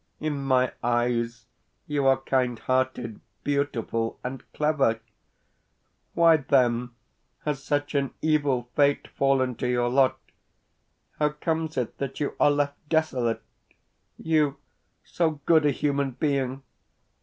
In my eyes you are kind hearted, beautiful, and clever why, then, has such an evil fate fallen to your lot? How comes it that you are left desolate you, so good a human being!